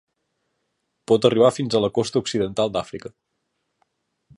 Pot arribar fins a la costa occidental d'Àfrica.